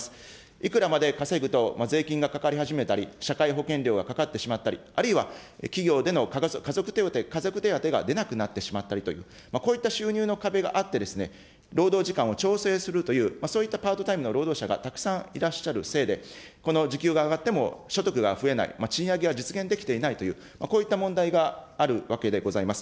いくらまで稼ぐと税金がかかり始めたり、社会保険料がかかってしまったり、あるいは企業での家族手当が出なくなってしまったりという、こういった収入の壁があって労働時間を調整するという、そういったパートタイムの労働者がたくさんいらっしゃるせいで、この時給が上がっても、所得が増えない、賃上げは実現できていないという、こういった問題があるわけでございます。